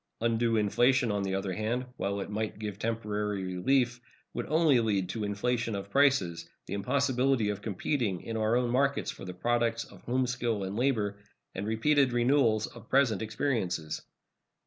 Undue inflation, on the other hand, while it might give temporary relief, would only lead to inflation of prices, the impossibility of competing in our own markets for the products of home skill and labor, and repeated renewals of present experiences.